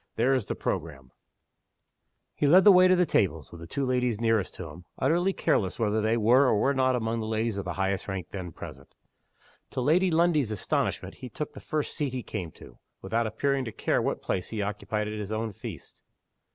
There is the programme!" He led the way to the tables, with the two ladies nearest to him utterly careless whether they were or were not among the ladies of the highest rank then present. To Lady Lundie's astonishment he took the first seat he came to, without appearing to care what place he occupied at his own feast.